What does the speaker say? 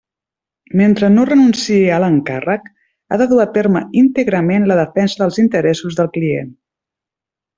Mentre no renunciï a l'encàrrec, ha de dur a terme íntegrament la defensa dels interessos del client.